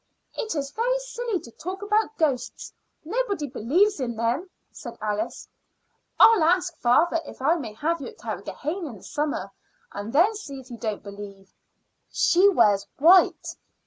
"It is very silly to talk about ghosts. Nobody believes in them," said Alice. "I'll ask father if I may have you at Carrigrohane in the summer, and then see if you don't believe. She wears white."